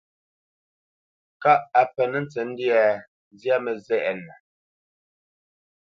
Kâʼ a penə́ tsəndyâ, nzyá mə́zɛʼnə.